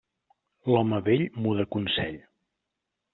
L'home vell muda consell.